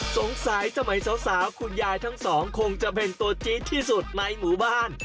สงสัยสมัยสาวคุณยายทั้งสองคงจะเป็นตัวจี๊ดที่สุดในหมู่บ้าน